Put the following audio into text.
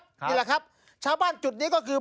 นี่แหละครับชาวบ้านจุดนี้ก็คือ